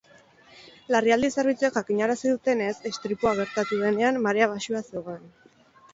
Larrialdi-zerbitzuek jakinarazi dutenez, istripua gertatu denean marea baxua zegoen.